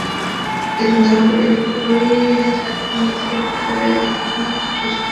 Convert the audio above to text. ধর একটি বই-এ লেখা আছে, বৎসরে এত ইঞ্চি বৃষ্টি পড়ে।